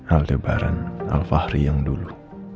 aldebaran alfahri yang dulu